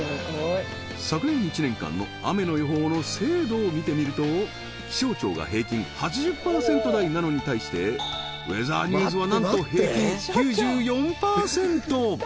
昨年１年間の雨の予報の精度を見てみると気象庁が平均８０％台なのに対してウェザーニューズはなんと平均９４％！